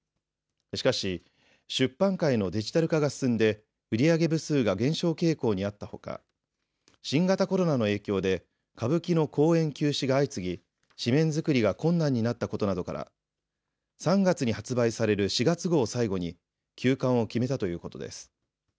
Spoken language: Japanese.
しかし、出版界のデジタル化が進んで、売り上げ部数が減少傾向にあったほか、新型コロナの影響で、歌舞伎の公演休止が相次ぎ、誌面作りが困難になったことなどから、３月に発売される４月号を最後に、休刊を決めたということです。